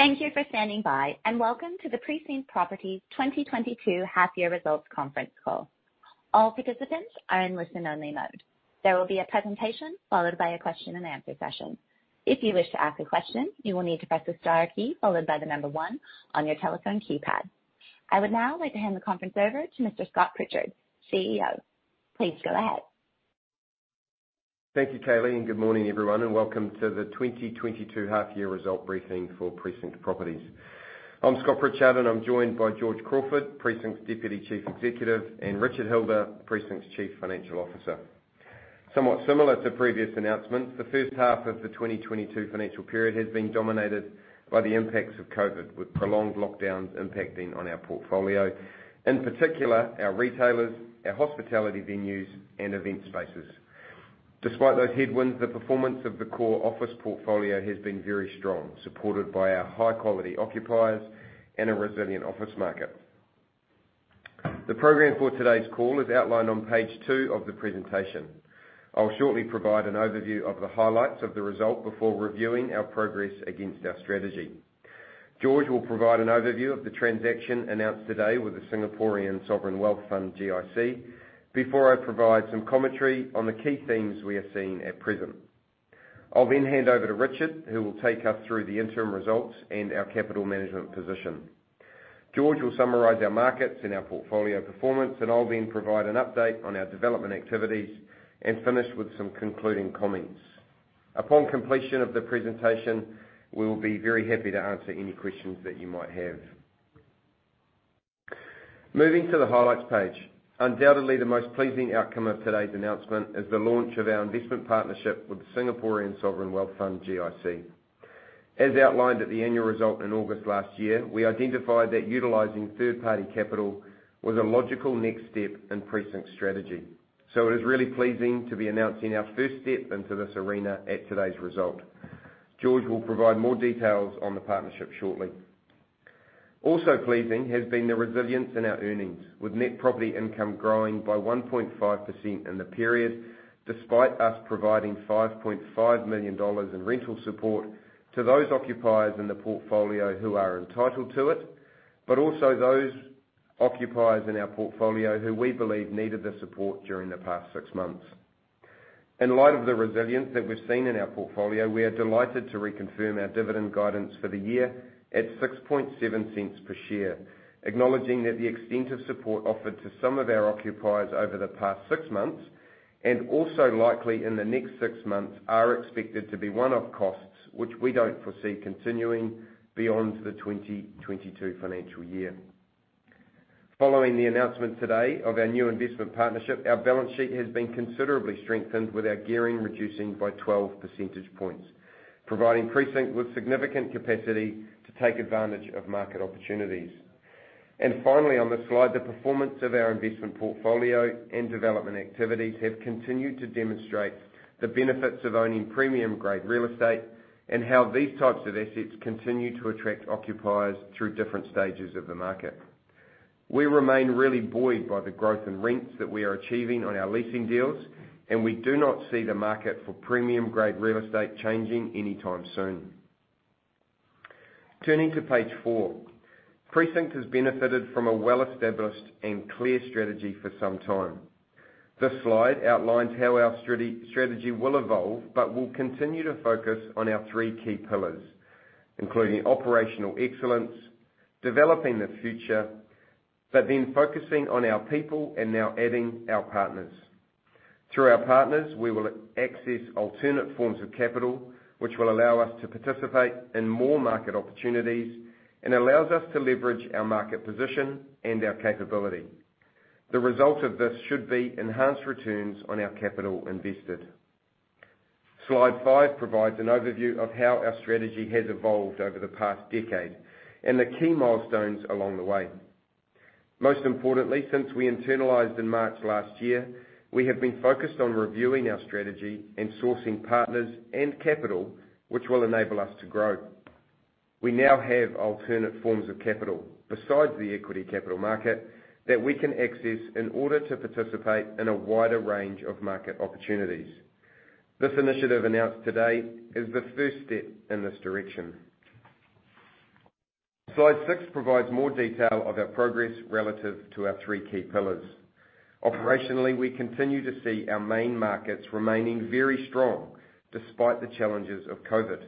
Thank you for standing by, and welcome to the Precinct Properties 2022 half-year results conference call. All participants are in listen-only mode. There will be a presentation followed by a question and answer session. If you wish to ask a question, you will need to press the star key followed by the number one on your telephone keypad. I would now like to hand the conference over to Mr. Scott Pritchard, CEO. Please go ahead. Thank you, Kaylee, and good morning, everyone, and welcome to the 2022 half-year result briefing for Precinct Properties. I'm Scott Pritchard, and I'm joined by George Crawford, Precinct's Deputy Chief Executive, and Richard Hilder, Precinct's Chief Financial Officer. Somewhat similar to previous announcements, the first half of the 2022 financial period has been dominated by the impacts of COVID, with prolonged lockdowns impacting on our portfolio, in particular our retailers, our hospitality venues, and event spaces. Despite those headwinds, the performance of the core office portfolio has been very strong, supported by our high-quality occupiers and a resilient office market. The program for today's call is outlined on page two of the presentation. I'll shortly provide an overview of the highlights of the result before reviewing our progress against our strategy. George will provide an overview of the transaction announced today with the Singaporean Sovereign Wealth Fund, GIC, before I provide some commentary on the key themes we are seeing at present. I'll then hand over to Richard, who will take us through the interim results and our capital management position. George will summarize our markets and our portfolio performance, and I'll then provide an update on our development activities and finish with some concluding comments. Upon completion of the presentation, we will be very happy to answer any questions that you might have. Moving to the highlights page. Undoubtedly, the most pleasing outcome of today's announcement is the launch of our investment partnership with the Singaporean Sovereign Wealth Fund, GIC. As outlined at the annual result in August last year, we identified that utilizing third-party capital was a logical next step in Precinct's strategy. It is really pleasing to be announcing our first step into this arena at today's result. George will provide more details on the partnership shortly. Also pleasing has been the resilience in our earnings, with net property income growing by 1.5% in the period, despite us providing 5.5 million dollars in rental support to those occupiers in the portfolio who are entitled to it, but also those occupiers in our portfolio who we believe needed the support during the past six months. In light of the resilience that we're seeing in our portfolio, we are delighted to reconfirm our dividend guidance for the year at 0.067 per share, acknowledging that the extent of support offered to some of our occupiers over the past six months, and also likely in the next six months, are expected to be one-off costs, which we don't foresee continuing beyond the 2022 financial year. Following the announcement today of our new investment partnership, our balance sheet has been considerably strengthened with our gearing reducing by 12 percentage points, providing Precinct with significant capacity to take advantage of market opportunities. Finally on the slide, the performance of our investment portfolio and development activities have continued to demonstrate the benefits of owning premium-grade real estate and how these types of assets continue to attract occupiers through different stages of the market. We remain really buoyed by the growth in rents that we are achieving on our leasing deals, and we do not see the market for premium-grade real estate changing anytime soon. Turning to page four. Precinct has benefited from a well-established and clear strategy for some time. This slide outlines how our strategy will evolve, but will continue to focus on our three key pillars, including operational excellence, developing the future, but then focusing on our people and now adding our partners. Through our partners, we will access alternate forms of capital, which will allow us to participate in more market opportunities and allows us to leverage our market position and our capability. The result of this should be enhanced returns on our capital invested. Slide five provides an overview of how our strategy has evolved over the past decade and the key milestones along the way. Most importantly, since we internalized in March last year, we have been focused on reviewing our strategy and sourcing partners and capital, which will enable us to grow. We now have alternate forms of capital besides the equity capital market that we can access in order to participate in a wider range of market opportunities. This initiative announced today is the first step in this direction. Slide six provides more detail of our progress relative to our three key pillars. Operationally, we continue to see our main markets remaining very strong despite the challenges of COVID.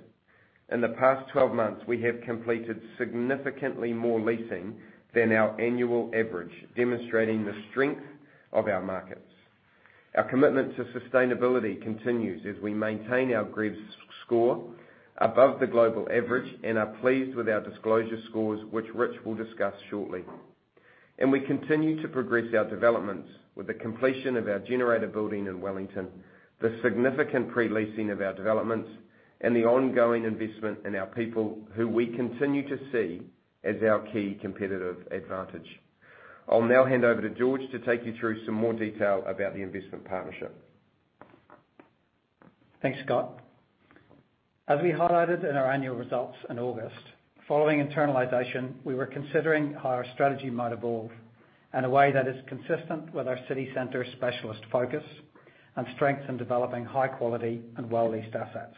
In the past 12 months, we have completed significantly more leasing than our annual average, demonstrating the strength of our markets. Our commitment to sustainability continues as we maintain our GRESB score above the global average and are pleased with our disclosure scores, which Rich will discuss shortly. We continue to progress our developments with the completion of our Generator building in Wellington, the significant pre-leasing of our developments, and the ongoing investment in our people, who we continue to see as our key competitive advantage. I'll now hand over to George to take you through some more detail about the investment partnership. Thanks, Scott. As we highlighted in our annual results in August, following internalization, we were considering how our strategy might evolve in a way that is consistent with our city-center specialist focus. Strength in developing high quality and well-leased assets.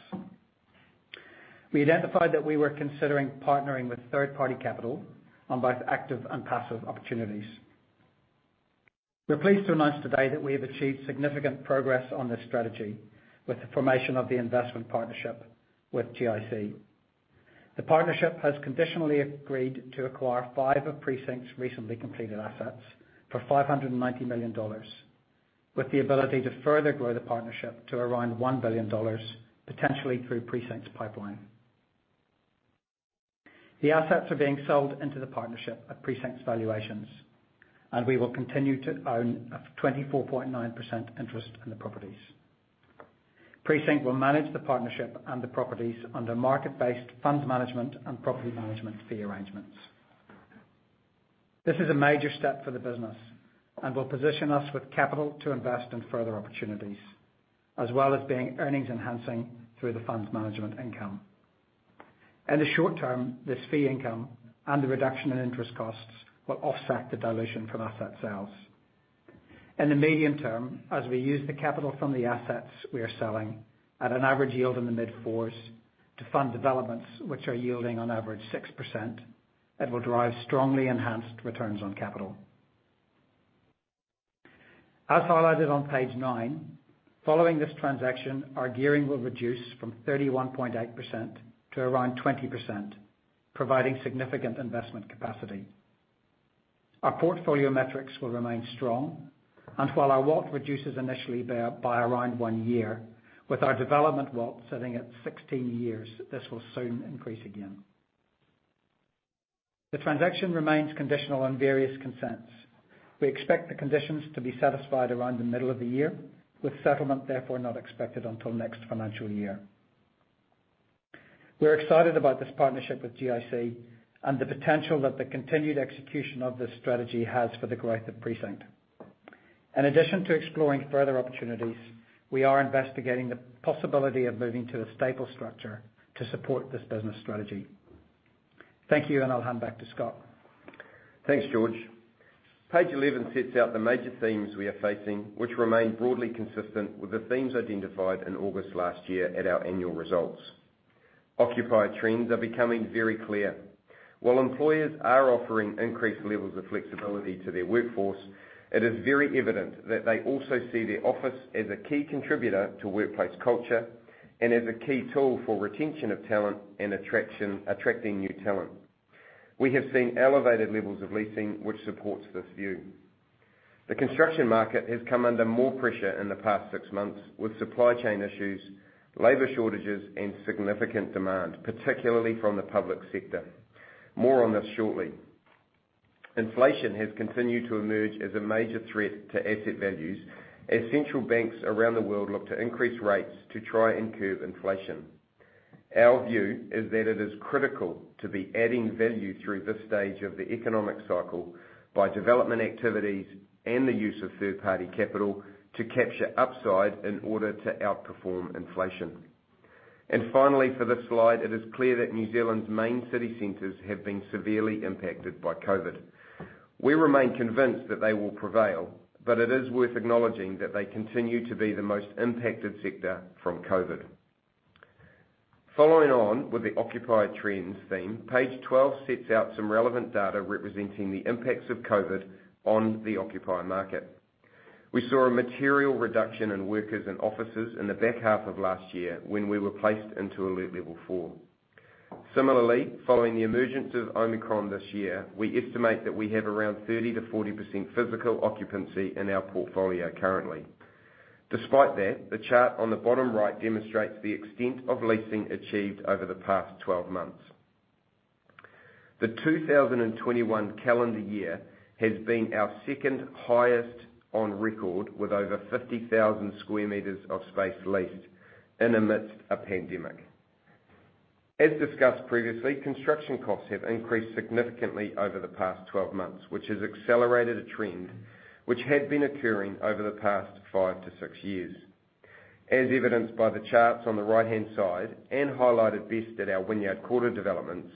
We identified that we were considering partnering with third-party capital on both active and passive opportunities. We're pleased to announce today that we have achieved significant progress on this strategy with the formation of the investment partnership with GIC. The partnership has conditionally agreed to acquire 5 of Precinct's recently completed assets for 590 million dollars, with the ability to further grow the partnership to around 1 billion dollars, potentially through Precinct's pipeline. The assets are being sold into the partnership at Precinct's valuations, and we will continue to own a 24.9% interest in the properties. Precinct will manage the partnership and the properties under market-based fund management and property management fee arrangements. This is a major step for the business, and will position us with capital to invest in further opportunities, as well as being earnings enhancing through the funds management income. In the short term, this fee income and the reduction in interest costs will offset the dilution from asset sales. In the medium term, as we use the capital from the assets we are selling at an average yield in the mid-fours to fund developments which are yielding on average 6%, it will drive strongly enhanced returns on capital. As highlighted on page nine, following this transaction, our gearing will reduce from 31.8% to around 20%, providing significant investment capacity. Our portfolio metrics will remain strong, and while our WALT reduces initially thereby around one year, with our development WALT sitting at 16 years, this will soon increase again. The transaction remains conditional on various consents. We expect the conditions to be satisfied around the middle of the year, with settlement therefore not expected until next financial year. We're excited about this partnership with GIC and the potential that the continued execution of this strategy has for the growth of Precinct. In addition to exploring further opportunities, we are investigating the possibility of moving to a stable structure to support this business strategy. Thank you, and I'll hand back to Scott. Thanks, George. Page 11 sets out the major themes we are facing, which remain broadly consistent with the themes identified in August last year at our annual results. Occupier trends are becoming very clear. While employers are offering increased levels of flexibility to their workforce, it is very evident that they also see their office as a key contributor to workplace culture and as a key tool for retention of talent and attracting new talent. We have seen elevated levels of leasing, which supports this view. The construction market has come under more pressure in the past six months, with supply chain issues, labor shortages, and significant demand, particularly from the public sector. More on this shortly. Inflation has continued to emerge as a major threat to asset values as central banks around the world look to increase rates to try and curb inflation. Our view is that it is critical to be adding value through this stage of the economic cycle by development activities and the use of third-party capital to capture upside in order to outperform inflation. Finally, for this slide, it is clear that New Zealand's main city centers have been severely impacted by COVID. We remain convinced that they will prevail, but it is worth acknowledging that they continue to be the most impacted sector from COVID. Following on with the occupier trends theme, page 12 sets out some relevant data representing the impacts of COVID on the occupier market. We saw a material reduction in workers and offices in the back half of last year when we were placed into alert level four. Similarly, following the emergence of Omicron this year, we estimate that we have around 30%-40% physical occupancy in our portfolio currently. Despite that, the chart on the bottom right demonstrates the extent of leasing achieved over the past 12 months. The 2021 calendar year has been our second-highest on record, with over 50,000sq m of space leased amidst a pandemic. As discussed previously, construction costs have increased significantly over the past 12 months, which has accelerated a trend which had been occurring over the past five to six years. As evidenced by the charts on the right-hand side and highlighted best at our Wynyard Quarter developments,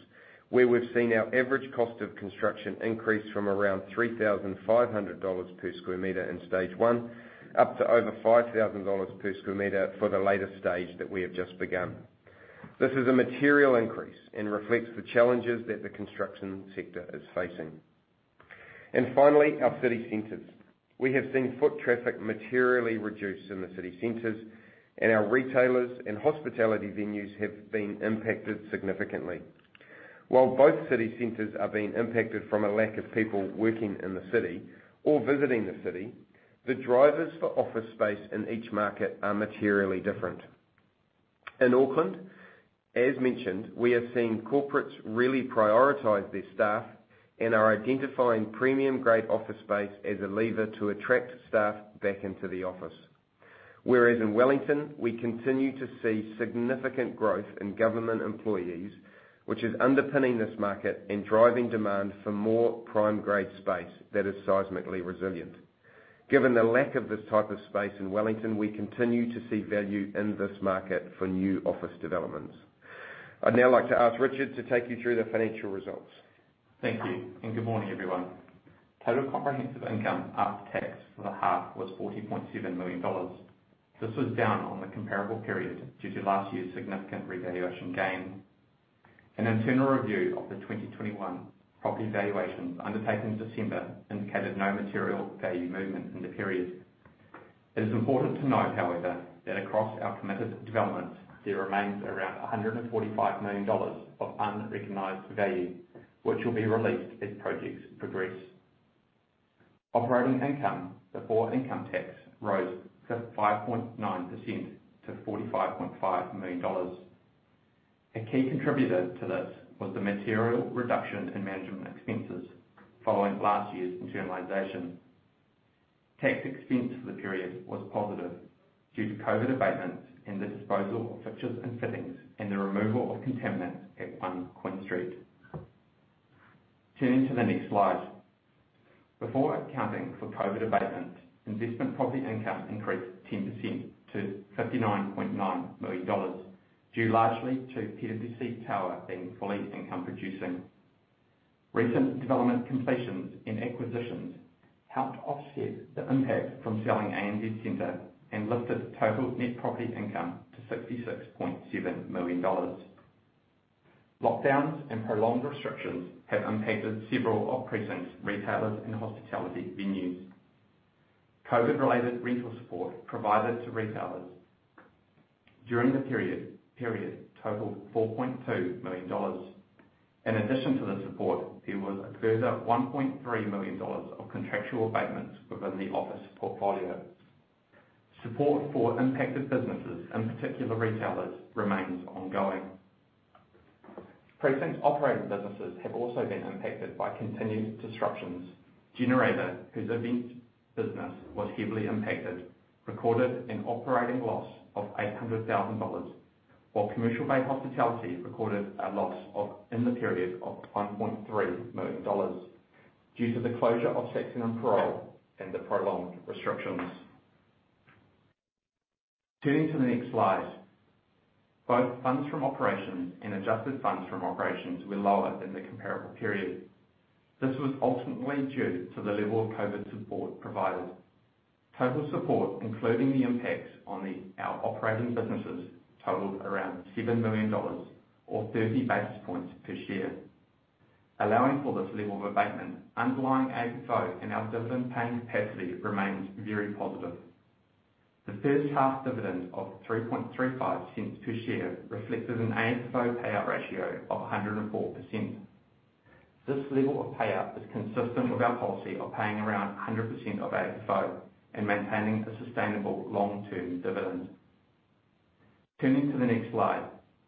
where we've seen our average cost of construction increase from around 3,500 dollars per sq m in stage one, up to over 5,000 dollars per sq m for the latest stage that we have just begun. This is a material increase and reflects the challenges that the construction sector is facing. Finally, our city centers. We have seen foot traffic materially reduced in the city centers, and our retailers and hospitality venues have been impacted significantly. While both city centers are being impacted from a lack of people working in the city or visiting the city, the drivers for office space in each market are materially different. In Auckland, as mentioned, we have seen corporates really prioritize their staff and are identifying premium-grade office space as a lever to attract staff back into the office. Whereas in Wellington, we continue to see significant growth in government employees, which is underpinning this market and driving demand for more prime-grade space that is seismically resilient. Given the lack of this type of space in Wellington, we continue to see value in this market for new office developments. I'd now like to ask Richard to take you through the financial results. Thank you, and good morning, everyone. Total comprehensive income after tax for the half was 40.7 million dollars. This was down on the comparable period due to last year's significant revaluation gain. An internal review of the 2021 property valuations undertaken in December indicated no material value movement in the period. It is important to note, however, that across our committed developments, there remains around 145 million dollars of unrecognized value, which will be released as projects progress. Operating income before income tax rose 5.9% to 45.5 million dollars. A key contributor to this was the material reduction in management expenses following last year's internalization. Tax expense for the period was positive due to COVID abatements and the disposal of fixtures and fittings and the removal of contaminants at One Queen Street. Turning to the next slide. Before accounting for COVID abatement, investment property income increased 10% to 59.9 million dollars, due largely to PwC Tower being fully income producing. Recent development completions and acquisitions helped offset the impact from selling ANZ Centre and lifted total net property income to 66.7 million dollars. Lockdowns and prolonged restrictions have impacted several of Precinct's retailers and hospitality venues. COVID-related rental support provided to retailers during the period totaled 4.2 million dollars. In addition to the support, there was a further 1.3 million dollars of contractual abatements within the office portfolio. Support for impacted businesses, in particular retailers, remains ongoing. Precinct's operating businesses have also been impacted by continued disruptions. Generator, whose event business was heavily impacted, recorded an operating loss of 800 thousand dollars, while Commercial Bay Hospitality recorded a loss of NZD 1.3 million in the period due to the closure of Saxon + Parole and the prolonged restrictions. Turning to the next slide. Both funds from operations and adjusted funds from operations were lower than the comparable period. This was ultimately due to the level of COVID support provided. Total support, including the impacts on our operating businesses, totaled around 7 million dollars or 30 basis points per share. Allowing for this level of abatement, underlying AFO and our dividend-paying capacity remains very positive. The 1H dividend of 0.0335 per share reflected an AFO payout ratio of 104%. This level of payout is consistent with our policy of paying around 100% of AFO and maintaining a sustainable long-term dividend. Turning to the next slide.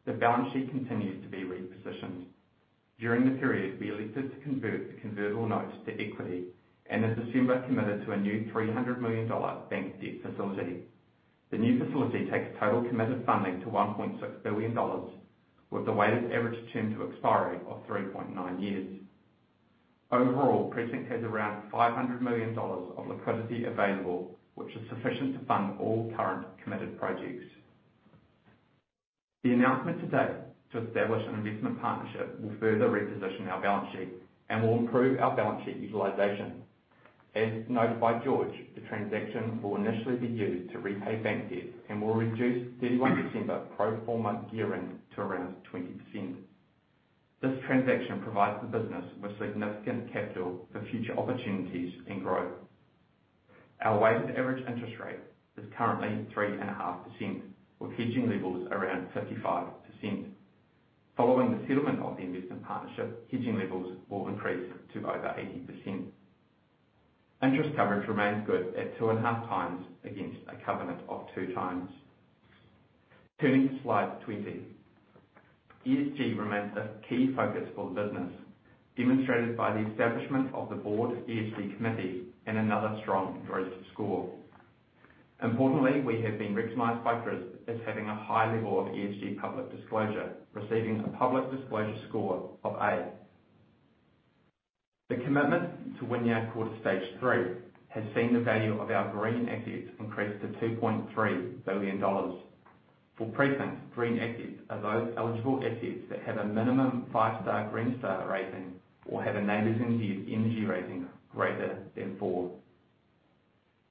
The balance sheet continues to be repositioned. During the period, we elected to convert the convertible notes to equity and in December committed to a new NZD 300 million bank debt facility. The new facility takes total committed funding to NZD 1.6 billion with a weighted average term to expiry of 3.9 years. Overall, Precinct has around 500 million dollars of liquidity available, which is sufficient to fund all current committed projects. The announcement today to establish an investment partnership will further reposition our balance sheet and will improve our balance sheet utilization. As noted by George, the transaction will initially be used to repay bank debt and will reduce 31 December pro forma gearing to around 20%. This transaction provides the business with significant capital for future opportunities and growth. Our weighted average interest rate is currently 3.5%, with hedging levels around 55%. Following the settlement of the investment partnership, hedging levels will increase to over 80%. Interest coverage remains good at 2.5 times against a covenant of 2 times. Turning to slide 20. ESG remains a key focus for the business, demonstrated by the establishment of the Board ESG Committee and another strong GRESB score. Importantly, we have been recognized by GRESB as having a high level of ESG public disclosure, receiving a public disclosure score of A. The commitment to Wynyard Quarter Stage Three has seen the value of our green assets increase to 2.3 billion dollars. For Precinct, green assets are those eligible assets that have a minimum 5-star Green Star rating or have a NABERS Energy rating greater than four.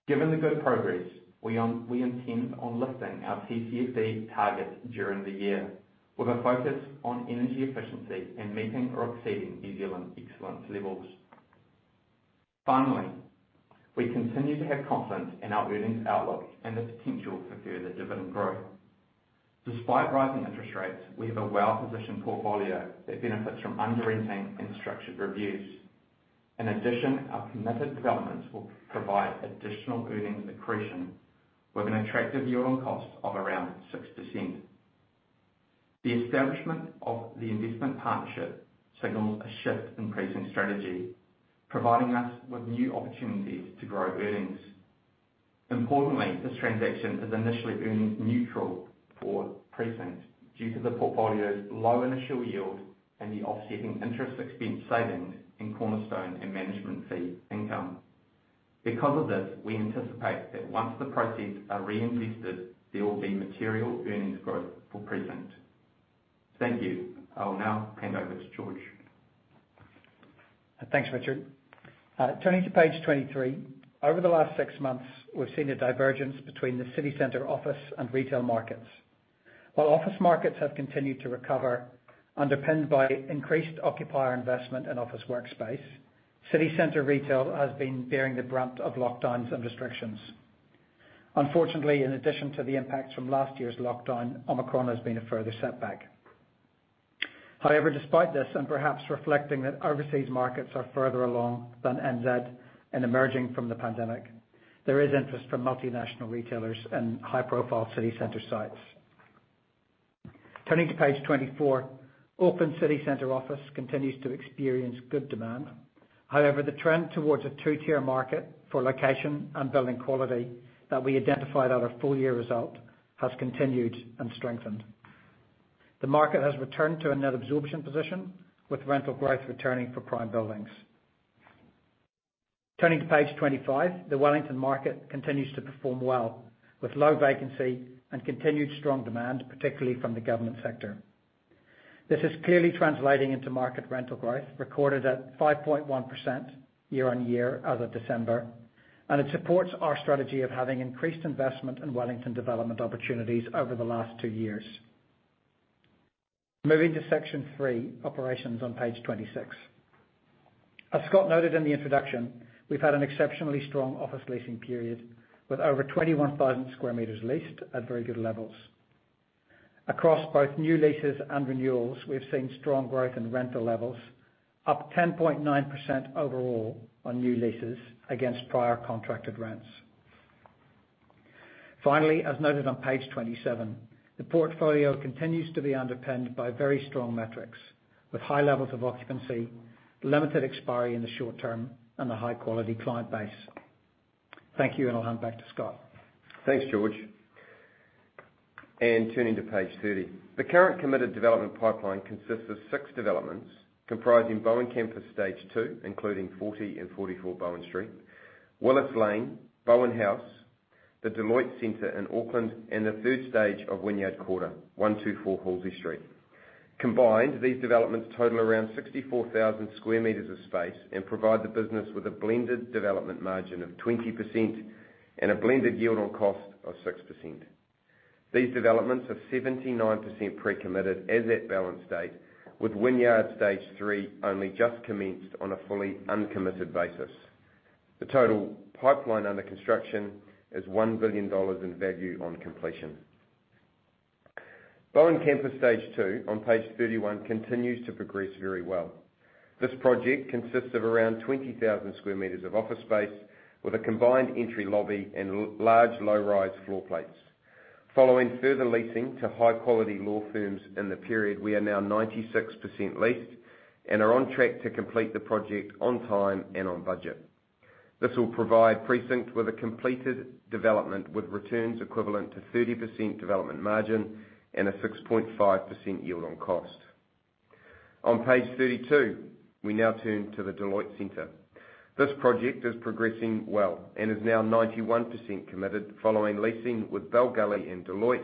Given the good progress, we intend on lifting our TCFD targets during the year with a focus on energy efficiency and meeting or exceeding New Zealand excellence levels. Finally, we continue to have confidence in our earnings outlook and the potential for further dividend growth. Despite rising interest rates, we have a well-positioned portfolio that benefits from under-renting and structured reviews. In addition, our committed developments will provide additional earnings accretion with an attractive yield on cost of around 6%. The establishment of the investment partnership signals a shift in pricing strategy, providing us with new opportunities to grow earnings. Importantly, this transaction is initially earnings neutral for Precinct due to the portfolio's low initial yield and the offsetting interest expense savings in Cornerstone and management fee income. Because of this, we anticipate that once the proceeds are reinvested, there will be material earnings growth for Precinct. Thank you. I will now hand over to George. Thanks, Richard. Turning to page 23. Over the last six months, we've seen a divergence between the city center office and retail markets. While office markets have continued to recover, underpinned by increased occupier investment in office workspace, city center retail has been bearing the brunt of lockdowns and restrictions. Unfortunately, in addition to the impacts from last year's lockdown, Omicron has been a further setback. However, despite this, and perhaps reflecting that overseas markets are further along than NZ in emerging from the pandemic, there is interest from multinational retailers in high-profile city center sites. Turning to page 24. Auckland city center office continues to experience good demand. However, the trend towards a two-tier market for location and building quality that we identified at our full year result has continued and strengthened. The market has returned to a net absorption position, with rental growth returning for prime buildings. Turning to page 25. The Wellington market continues to perform well, with low vacancy and continued strong demand, particularly from the government sector. This is clearly translating into market rental growth, recorded at 5.1% year-on-year as of December, and it supports our strategy of having increased investment in Wellington development opportunities over the last two years. Moving to section three, operations, on page 26. As Scott noted in the introduction, we've had an exceptionally strong office leasing period, with over 21,000sq m leased at very good levels. Across both new leases and renewals, we've seen strong growth in rental levels, up 10.9% overall on new leases against prior contracted rents. Finally, as noted on page 27, the portfolio continues to be underpinned by very strong metrics, with high levels of occupancy, limited expiry in the short term, and a high-quality client base. Thank you, and I'll hand back to Scott. Thanks, George. Turning to page 30. The current committed development pipeline consists of six developments comprising Bowen Campus Stage Two, including 40 and 44 Bowen Street, Willis Lane, Bowen House, the Deloitte Centre in Auckland, and the third stage of Wynyard Quarter, 124 Halsey Street. Combined, these developments total around 64,000sq m of space and provide the business with a blended development margin of 20% and a blended yield on cost of 6%. These developments are 79% pre-committed as at balance date, with Wynyard Quarter Stage Three only just commenced on a fully uncommitted basis. The total pipeline under construction is 1 billion dollars in value on completion. Bowen Campus Stage Two on page 31 continues to progress very well. This project consists of around 20,000 sq m of office space with a combined entry lobby and large low-rise floor plates. Following further leasing to high-quality law firms in the period, we are now 96% leased and are on track to complete the project on time and on budget. This will provide Precinct with a completed development, with returns equivalent to 30% development margin and a 6.5% yield on cost. On page 32, we now turn to the Deloitte Centre. This project is progressing well and is now 91% committed following leasing with Bell Gully and Deloitte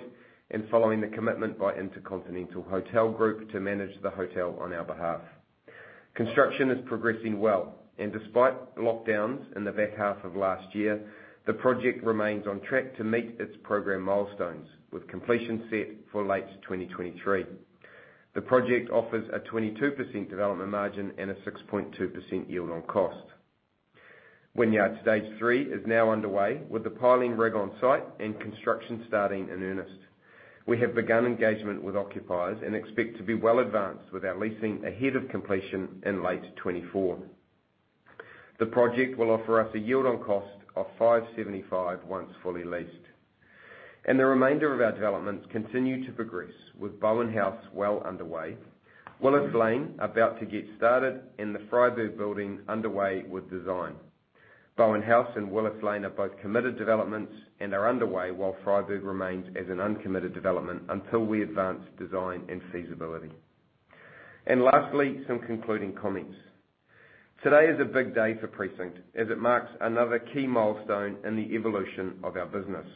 and following the commitment by InterContinental Hotels Group to manage the hotel on our behalf. Construction is progressing well, and despite lockdowns in the back half of last year, the project remains on track to meet its program milestones, with completion set for late 2023. The project offers a 22% development margin and a 6.2% yield on cost. Wynyard Stage 3 is now underway, with the piling rig on-site and construction starting in earnest. We have begun engagement with occupiers and expect to be well advanced with our leasing ahead of completion in late 2024. The project will offer us a yield on cost of 5.75% once fully leased. The remainder of our developments continue to progress, with Bowen House well underway, Willis Lane about to get started, and the Freyberg Building underway with design. Bowen House and Willis Lane are both committed developments and are underway, while Freyberg remains as an uncommitted development until we advance design and feasibility. Lastly, some concluding comments. Today is a big day for Precinct, as it marks another key milestone in the evolution of our business.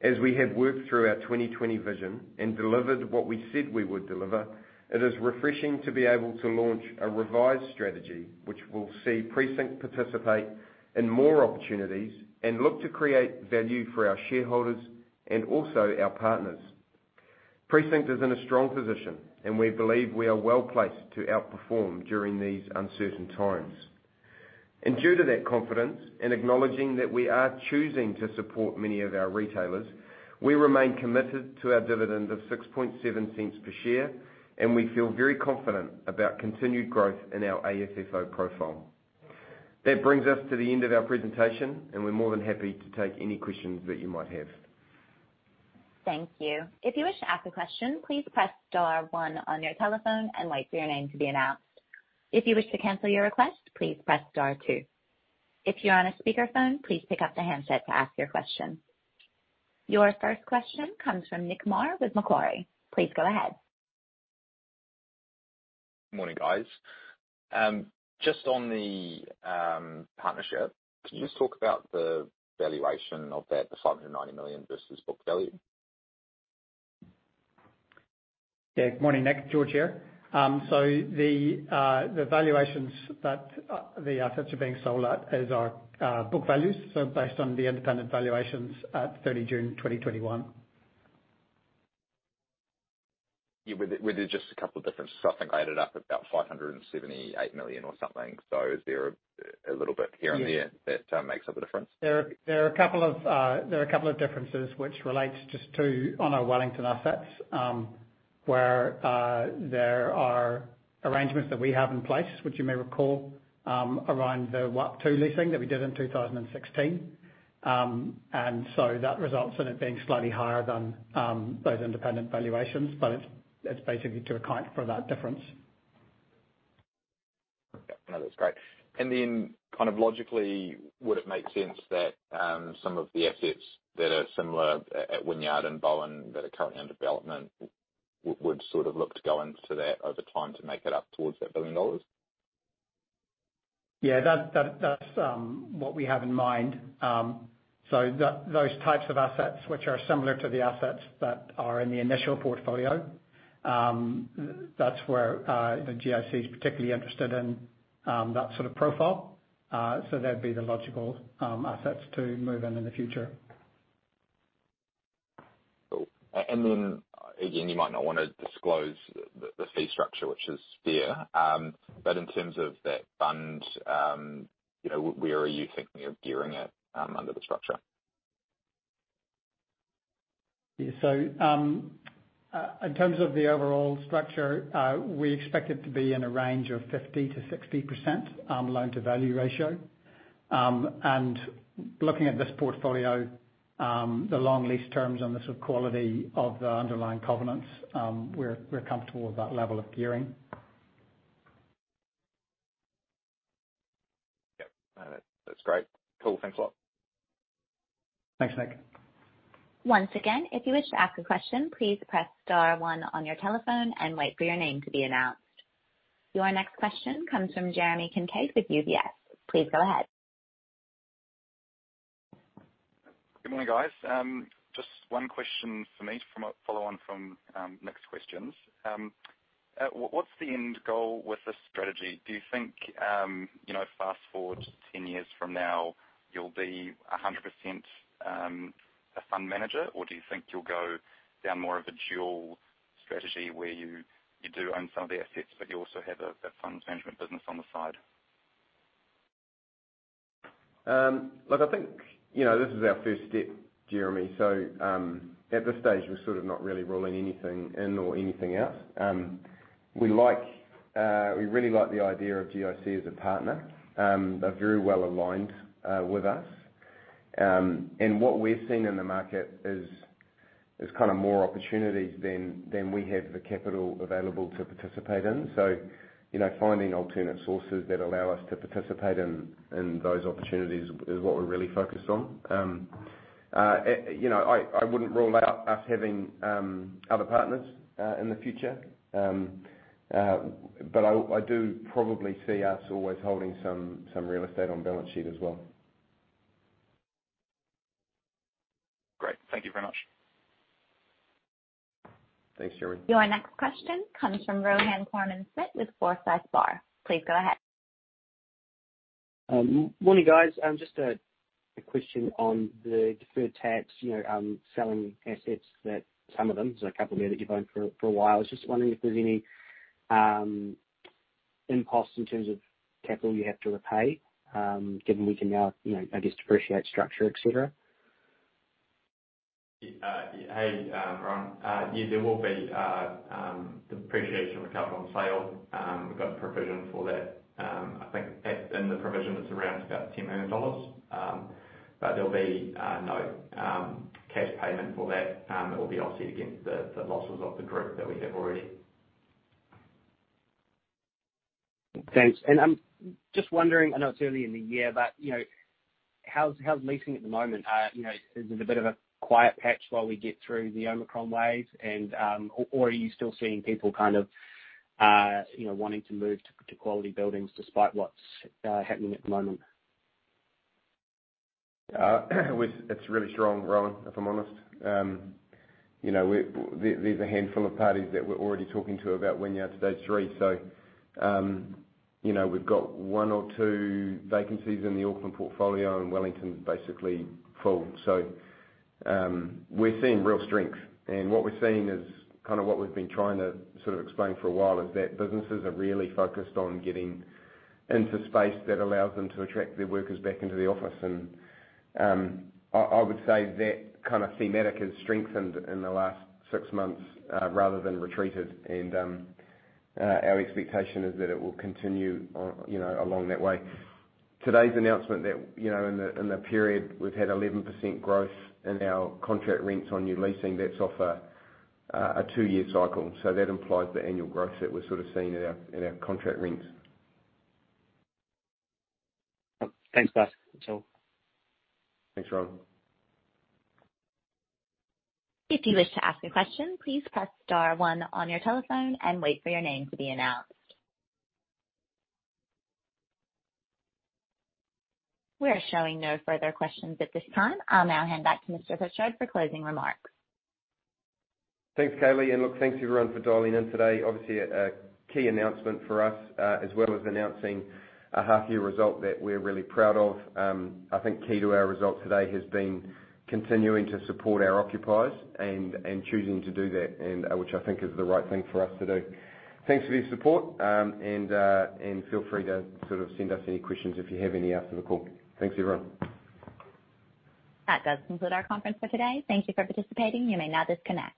As we have worked through our 2020 vision and delivered what we said we would deliver, it is refreshing to be able to launch a revised strategy which will see Precinct participate in more opportunities and look to create value for our shareholders and also our partners. Precinct is in a strong position, and we believe we are well placed to outperform during these uncertain times. Due to that confidence and acknowledging that we are choosing to support many of our retailers, we remain committed to our dividend of 0.067 per share, and we feel very confident about continued growth in our AFFO profile. That brings us to the end of our presentation, and we're more than happy to take any questions that you might have. Thank you. If you wish to ask a question, please press star one on your telephone and wait for your name to be announced. If you wish to cancel your request, please press star two. If you're on a speakerphone, please pick up the handset to ask your question. Your first question comes from Nick Mar with Macquarie. Please go ahead. Morning, guys. Just on the partnership. Can you just talk about the valuation of that, the 590 million versus book value? Yeah. Good morning, Nick. George here. The valuations that the assets are being sold at, as our book values, so based on the independent valuations at 30 June 2021. Yeah. With just a couple of differences. I think I added up about 578 million or something. Is there a little bit here and there- Yeah. that makes up the difference? There are a couple of differences which relates just to, on our Wellington assets, where there are arrangements that we have in place, which you may recall, around the Wynyard Quarter Stage 2 leasing that we did in 2016. That results in it being slightly higher than those independent valuations, but it's basically to account for that difference. Okay. No, that's great. Kind of logically, would it make sense that some of the assets that are similar at Wynyard and Bowen that are currently under development would sort of look to go into that over time to make it up towards that 1 billion dollars? Yeah. That's what we have in mind. Those types of assets, which are similar to the assets that are in the initial portfolio, that's where the GIC is particularly interested in that sort of profile. That'd be the logical assets to move in the future. Cool. Again, you might not wanna disclose the fee structure, which is fair, but in terms of that fund, you know, where are you thinking of gearing it under the structure? Yeah. In terms of the overall structure, we expect it to be in a range of 50%-60% loan-to-value ratio. Looking at this portfolio, the long lease terms and the sort of quality of the underlying covenants, we're comfortable with that level of gearing. Yep. No, that's great. Cool. Thanks a lot. Thanks, Nick. Once again, if you wish to ask a question, please press star one on your telephone and wait for your name to be announced. Your next question comes from Jeremy Kincaid with UBS. Please go ahead. Good morning, guys. Just one question for me from a follow-on from Nick's questions. What's the end goal with this strategy? Do you think, you know, fast-forward 10 years from now, you'll be 100% a fund manager? Or do you think you'll go down more of a dual strategy where you do own some of the assets, but you also have a fund management business on the side? Look, I think, you know, this is our first step, Jeremy. At this stage, we're sort of not really ruling anything in or anything out. We really like the idea of GIC as a partner. They're very well aligned with us. And what we're seeing in the market is kind of more opportunities than we have the capital available to participate in. You know, finding alternate sources that allow us to participate in those opportunities is what we're really focused on. You know, I wouldn't rule out us having other partners in the future. I do probably see us always holding some real estate on balance sheet as well. Great. Thank you very much. Thanks, Jeremy. Your next question comes from Rohan Koreman-Smit with Forsyth Barr. Please go ahead. Morning, guys. Just a question on the deferred tax, you know, selling assets that some of them, there's a couple there that you've owned for a while. I was just wondering if there's any impost in terms of capital you have to repay, given we can now, you know, I guess, depreciate structure, et cetera. Hey, Rohan. Yeah, there will be depreciation recovery on sale. We've got a provision for that. I think in the provision, it's around about 10 million dollars. There'll be no cash payment for that. It will be offset against the losses of the group that we have already. Thanks. I'm just wondering, I know it's early in the year, but, you know, how's leasing at the moment? You know, is it a bit of a quiet patch while we get through the Omicron wave and, or are you still seeing people kind of, you know, wanting to move to quality buildings despite what's happening at the moment? It's really strong, Rohan, if I'm honest. You know, there's a handful of parties that we're already talking to about Wynyard Stage Three. You know, we've got one or two vacancies in the Auckland portfolio, and Wellington's basically full. We're seeing real strength. What we're seeing is kind of what we've been trying to sort of explain for a while, is that businesses are really focused on getting into space that allows them to attract their workers back into the office. Our expectation is that it will continue, you know, along that way. Today's announcement that, you know, in the period, we've had 11% growth in our contract rents on new leasing, that's off a two-year cycle. That implies the annual growth that we're sort of seeing in our contract rents. Thanks, guys. That's all. Thanks, Rohan. If you wish to ask a question, please press star one on your telephone and wait for your name to be announced. We are showing no further questions at this time. I'll now hand back to Mr. Pritchard for closing remarks. Thanks, Kaylee. Look, thanks everyone for dialing in today. Obviously a key announcement for us, as well as announcing a half-year result that we're really proud of. I think key to our results today has been continuing to support our occupiers and choosing to do that and which I think is the right thing for us to do. Thanks for your support. Feel free to sort of send us any questions if you have any after the call. Thanks, everyone. That does conclude our conference for today. Thank you for participating. You may now disconnect.